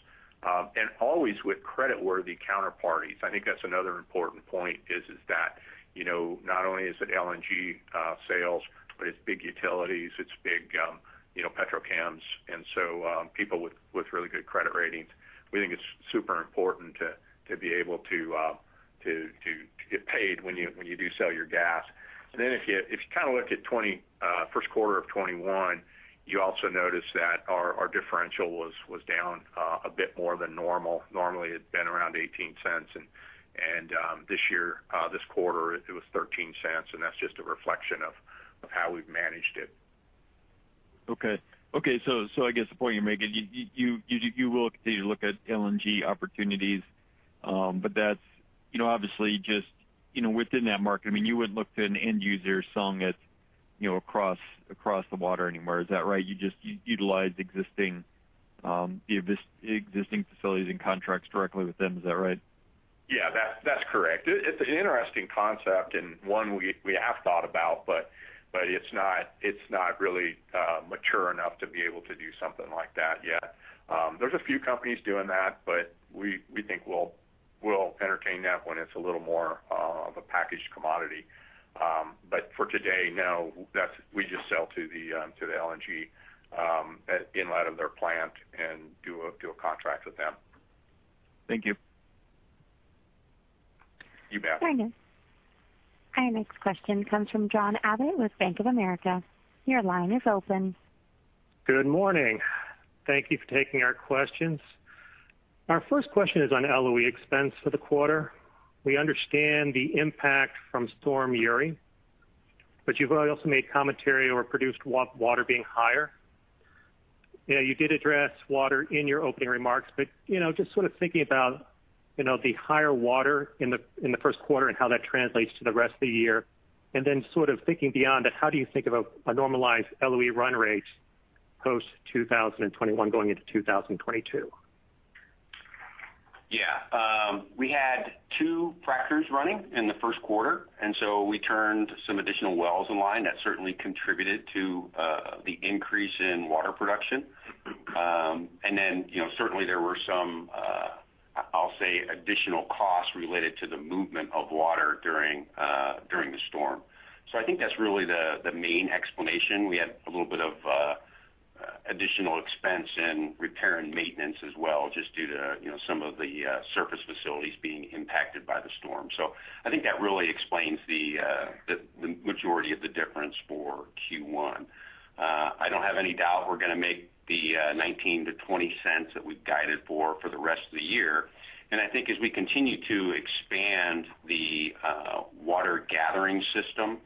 Always with creditworthy counterparties. I think that's another important point is that, not only is it LNG sales, but it's big utilities, it's big petrochems, and so people with really good credit ratings. We think it's super important to be able to get paid when you do sell your gas. If you look at first quarter of 2021, you also notice that our differential was down a bit more than normal. Normally, it's been around $0.18, and this quarter it was $0.13, and that's just a reflection of how we've managed it. Okay. I guess the point you're making, you look at LNG opportunities. That's obviously just within that market. You wouldn't look to an end user selling it across the water anywhere. Is that right? You just utilize existing facilities and contracts directly with them. Is that right? Yeah, that's correct. It's an interesting concept, and one we have thought about, but it's not really mature enough to be able to do something like that yet. There's a few companies doing that, but we think we'll entertain that when it's a little more of a packaged commodity. For today, no, we just sell to the LNG at inlet of their plant and do a contract with them. Thank you. You bet. Our next question comes from John Abbott with Bank of America. Your line is open. Good morning. Thank you for taking our questions. Our first question is on LOE expense for the quarter. We understand the impact from Storm Uri. You've also made commentary on produced water being higher. You did address water in your opening remarks. Just thinking about the higher water in the first quarter and how that translates to the rest of the year, and then thinking beyond that, how do you think about a normalized LOE run rate post 2021 going into 2022? Yeah. We had two fracs running in the first quarter. We turned some additional wells online that certainly contributed to the increase in water production. Certainly there were some, I'll say, additional costs related to the movement of water during the storm. I think that's really the main explanation. We had a little bit of additional expense in repair and maintenance as well, just due to some of the surface facilities being impacted by the storm. I think that really explains the majority of the difference for Q1. I don't have any doubt we're going to make the $0.19-$0.20 that we guided for the rest of the year. I think as we continue to expand the water gathering system,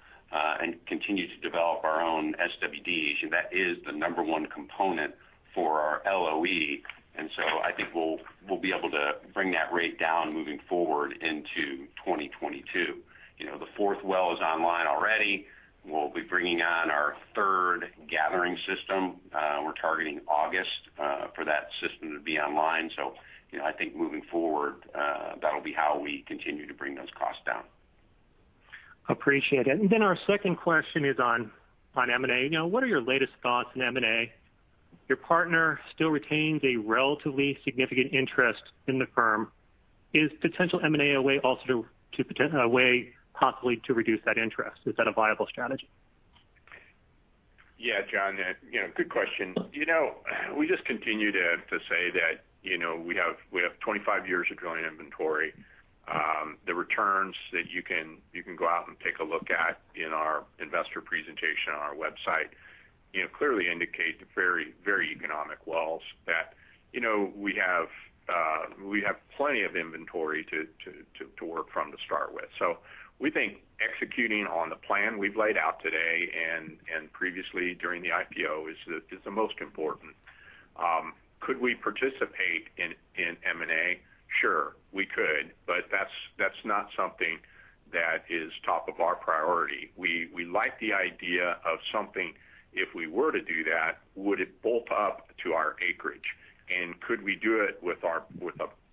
and continue to develop our own SWDs, that is the number one component for our LOE. I think we'll be able to bring that rate down moving forward into 2022. The fourth well is online already. We'll be bringing on our third gathering system. We're targeting August for that system to be online. I think moving forward, that'll be how we continue to bring those costs down. Appreciate it. Our second question is on M&A. What are your latest thoughts on M&A? Your partner still retains a relatively significant interest in the firm. Is potential M&A a way possibly to reduce that interest? Is that a viable strategy? Yeah, John, good question. We just continue to say that we have 25 years of growing inventory. The returns that you can go out and take a look at in our investor presentation on our website, clearly indicate very economic wells that we have plenty of inventory to work from to start with. We think executing on the plan we've laid out today and previously during the IPO is the most important. Could we participate in M&A? Sure, we could. That's not something that is top of our priority. We like the idea of something, if we were to do that, would it bulk up to our acreage? And could we do it with a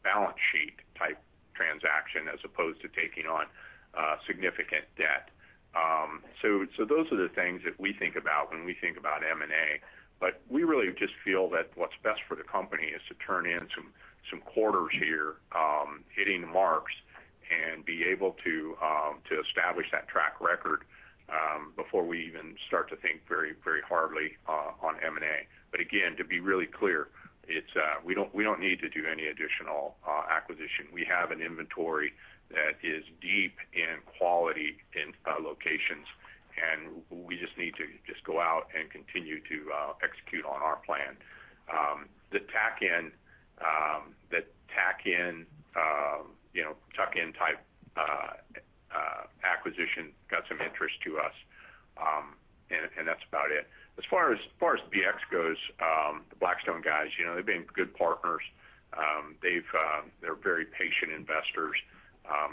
balance sheet type transaction as opposed to taking on significant debt? Those are the things that we think about when we think about M&A, but we really just feel that what's best for the company is to turn in some quarters here, hitting marks and be able to establish that track record, before we even start to think very hardly on M&A. Again, to be really clear, we don't need to do any additional acquisition. We have an inventory that is deep in quality and locations, and we just need to just go out and continue to execute on our plan. The tuck-in type to us, and that's about it. As far as BX goes, the Blackstone guys, they've been good partners. They're very patient investors.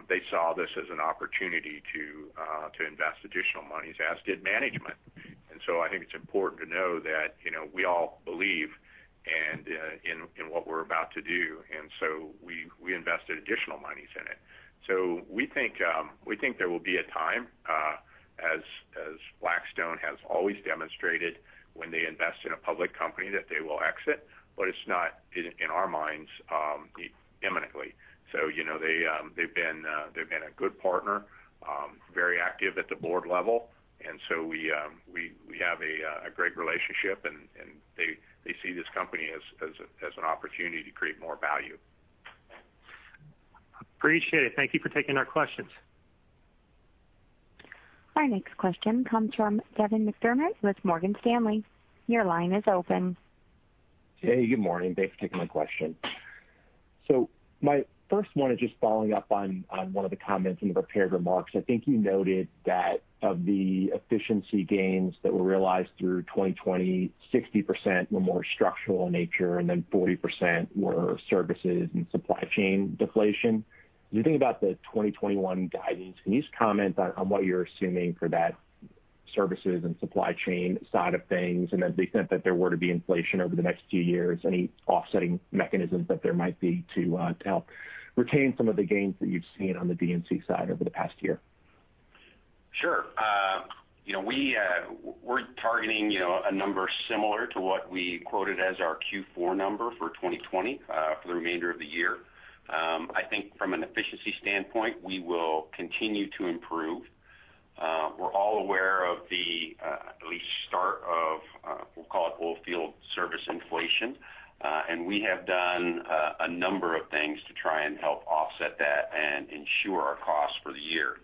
They saw this as an opportunity to invest additional monies, as did management. I think it's important to know that we all believe in what we're about to do. We invested additional monies in it. We think there will be a time, as Blackstone has always demonstrated, when they invest in a public company, that they will exit. It's not in our minds imminently. They've been a good partner, very active at the board level. We have a great relationship, and they see this company as an opportunity to create more value. Appreciate it. Thank you for taking our questions. Our next question comes from Devin McDermott with Morgan Stanley. Your line is open. Hey, good morning. Thanks for taking my question. My first one is just following up on one of the comments in your prepared remarks. I think you noted that of the efficiency gains that were realized through 2020, 60% were more structural in nature, and then 40% were services and supply chain deflation. As you think about the 2021 guidance, can you just comment on what you're assuming for that services and supply chain side of things? To the extent that there were to be inflation over the next few years, any offsetting mechanisms that there might be to help retain some of the gains that you've seen on the D&C side over the past year? Sure. We're targeting a number similar to what we quoted as our Q4 number for 2020, for the remainder of the year. I think from an efficiency standpoint, we will continue to improve. We're all aware of the, at least start of, we'll call it oilfield service inflation. We have done a number of things to try and help offset that and ensure our costs for the year.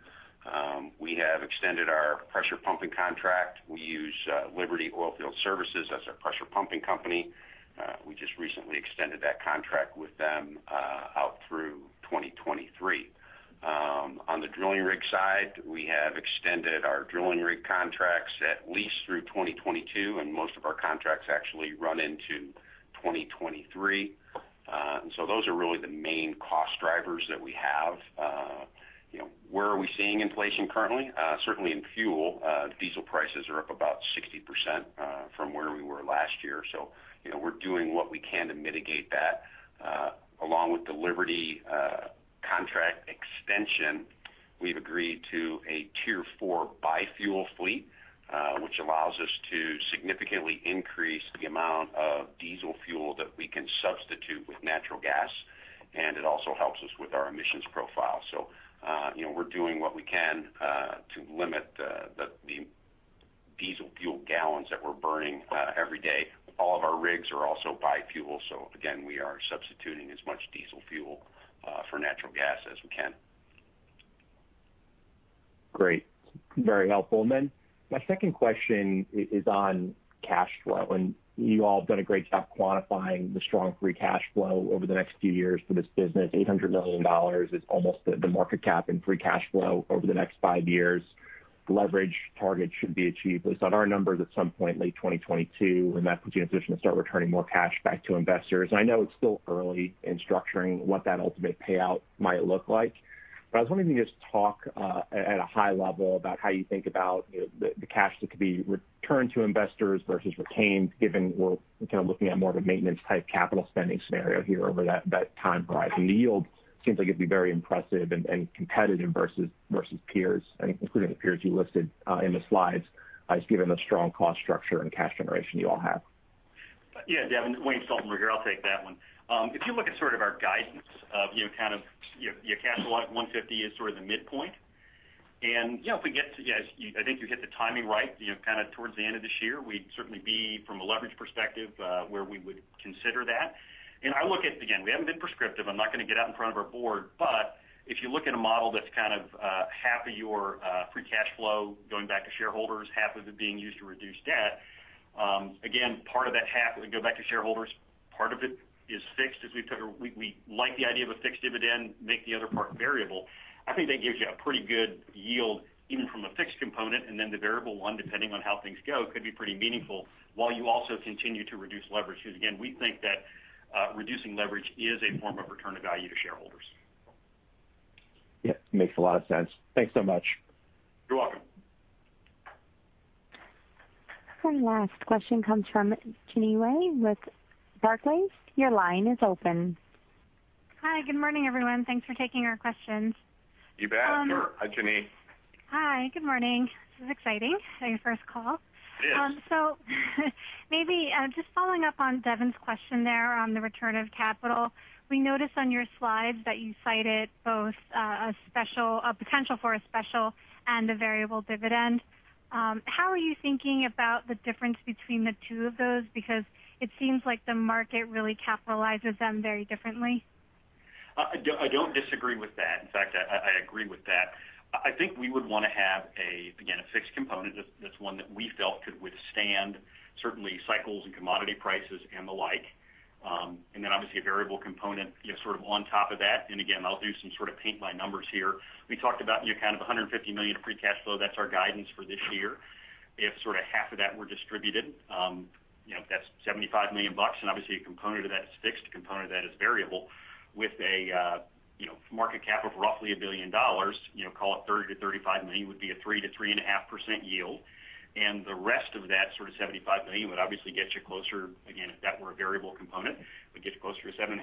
We have extended our pressure pumping contract. We use Liberty Oilfield Services as our pressure pumping company. We just recently extended that contract with them out through 2023. On the drilling rig side, we have extended our drilling rig contracts at least through 2022, and most of our contracts actually run into 2023. Those are really the main cost drivers that we have. Where are we seeing inflation currently? Certainly in fuel. Diesel prices are up about 60% from where we were last year. We're doing what we can to mitigate that. Along with the Liberty contract extension, we've agreed to a tier 4 bi-fuel fleet, which allows us to significantly increase the amount of diesel fuel that we can substitute with natural gas, and it also helps us with our emissions profile. We're doing what we can to limit the diesel fuel gallons that we're burning every day. All of our rigs are also bi-fuel, so again, we are substituting as much diesel fuel for natural gas as we can. Great. Very helpful. My second question is on cash flow. You all have done a great job quantifying the strong free cash flow over the next few years for this business. $800 million is almost the market cap in free cash flow over the next five years. Leverage target should be achieved, those other numbers at some point late 2022, and that puts you in a position to start returning more cash back to investors. I know it's still early in structuring what that ultimate payout might look like, but I was wondering if you could just talk at a high level about how you think about the cash that could be returned to investors versus retained, given we're looking at more of a maintenance type capital spending scenario here over that time horizon. The yield seems like it'd be very impressive and competitive versus peers, including the peers you listed in the slides, given the strong cost structure and cash generation you all have. Devin, Wayne Stoltenberg here. I'll take that one. You look at our guidance of your cash flow at $150 is sort of the midpoint. If we get the timing right, towards the end of this year, we'd certainly be, from a leverage perspective, where we would consider that. I look at it again, we haven't been prescriptive. I'm not going to get out in front of our board. If you look at a model that's half of your free cash flow going back to shareholders, half of it being used to reduce debt. Part of that half that would go back to shareholders, part of it is fixed, as we like the idea of a fixed dividend, make the other part variable. I think that gives you a pretty good yield even from the fixed component, and then the variable one, depending on how things go, could be pretty meaningful while you also continue to reduce leverage. Again, we think that reducing leverage is a form of return of value to shareholders. Yeah. Makes a lot of sense. Thanks so much. You're welcome. One last question comes from Jeanine Wai with Barclays. Your line is open. Hi. Good morning, everyone. Thanks for taking our questions. You bet. Sure. Hi, Jeanine. Hi. Good morning. This is exciting, my first call. It is. Maybe just following up on Devin's question there on the return of capital. We noticed on your slides that you cited both a potential for a special and a variable dividend. How are you thinking about the difference between the two of those? It seems like the market really capitalizes them very differently. I don't disagree with that. In fact, I agree with that. I think we would want to have a, again, a fixed component, that's one that we felt could withstand certainly cycles and commodity prices and the like. Obviously a variable component on top of that. I'll do some paint by numbers here. We talked about kind of $150 million free cash flow. That's our guidance for this year. If half of that were distributed, that's $75 million, and obviously a component of that's fixed, a component of that is variable with a market cap of roughly $1 billion, call it $30 million to $35 million would be a 3%-3.5% yield. The rest of that sort of $75 million would obviously get you closer, again, if that were a variable component, would get you closer to 7.5%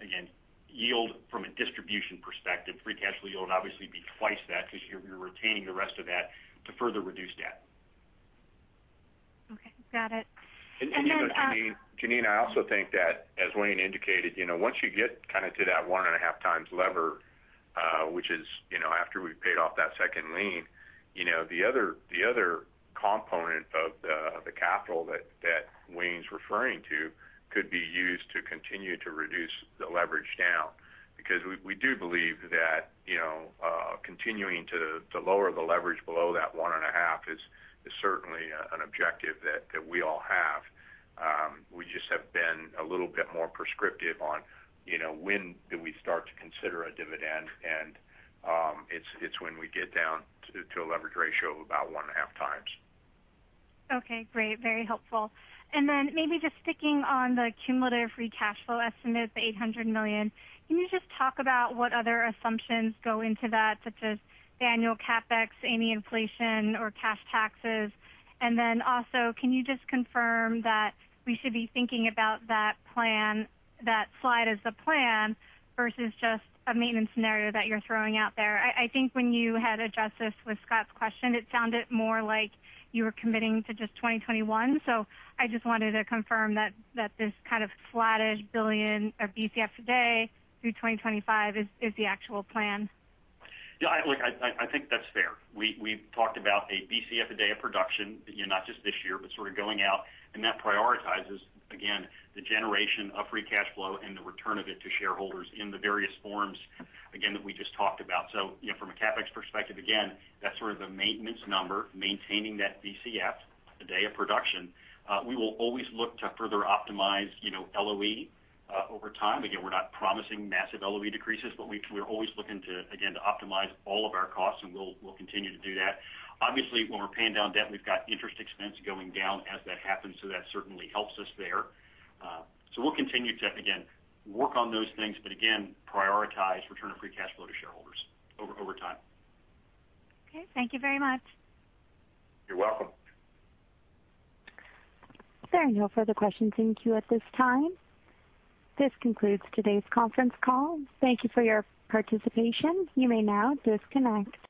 again, yield from a distribution perspective, free cash flow yield obviously be twice that because you're retaining the rest of that to further reduce debt. Okay, got it. Jeanine Wai, I also think that as Wayne Stoltenberg indicated, once you get to that one and a half times lever, which is after we've paid off that second lien, the other component of the capital that Wayne Stoltenberg's referring to could be used to continue to reduce the leverage down. Because we do believe that continuing to lower the leverage below that one and a half is certainly an objective that we all have. We just have been a little bit more prescriptive on when do we start to consider a dividend, and it's when we get down to a leverage ratio of about one and a half times. Okay, great. Very helpful. Maybe just sticking on the cumulative free cash flow estimate of $800 million, can you just talk about what other assumptions go into that, such as annual CapEx, any inflation or cash taxes? Also, can you just confirm that we should be thinking about that slide as the plan versus just a maintenance scenario that you're throwing out there? I think when you had adjusted with Scott's question, it sounded more like you were committing to just 2021. I just wanted to confirm that this kind of slated 1 Bcf a day through 2025 is the actual plan. I think that's fair. We've talked about a BCF a day of production, not just this year, but going out, and that prioritizes, again, the generation of free cash flow and the return of it to shareholders in the various forms, again, that we just talked about. From a CapEx perspective, again, that's the maintenance number, maintaining that BCF a day of production. We will always look to further optimize LOE over time. We're not promising massive LOE decreases, but we're always looking to, again, optimize all of our costs, and we'll continue to do that. When we're paying down debt, we've got interest expense going down as that happens, so that certainly helps us there. We'll continue to, again, work on those things, but again, prioritize return of free cash flow to shareholders over time. Okay, thank you very much. You're welcome. There are no further questions in queue at this time. This concludes today's conference call. Thank you for your participation. You may now disconnect.